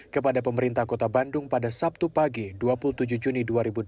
kepada pemerintah kota bandung pada sabtu pagi dua puluh tujuh juni dua ribu delapan belas